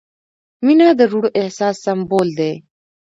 • مینه د روڼ احساس سمبول دی.